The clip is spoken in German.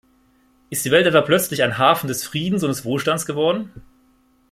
Ist die Welt etwa plötzlich ein Hafen des Friedens und des Wohlstands geworden?